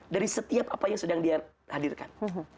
dari setiap apa yang sedang dihadirkan